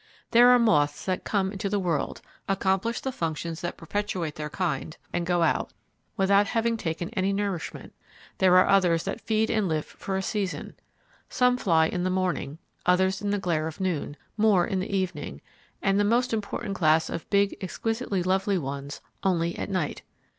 There are moths that come into the world, accomplish the functions that perpetuate their kind, and go out, without having taken any nourishment. There are others that feed and live for a season. Some fly in the morning, others in the glare of noon, more in the evening, and the most important class of big, exquisitely lovely ones only at night.